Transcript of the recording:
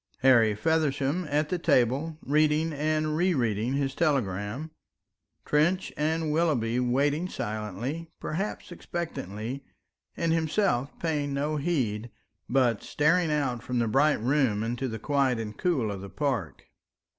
Harry Feversham at the table reading and re reading his telegram, Trench and Willoughby waiting silently, perhaps expectantly, and himself paying no heed, but staring out from the bright room into the quiet and cool of the park.